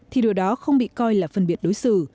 thì điều đó không bị coi là phân biệt đối xử